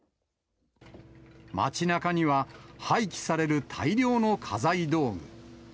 町なかには廃棄される大量の家財道具。